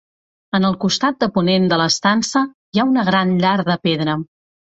En el costat de ponent de l'estança hi ha una gran llar de pedra.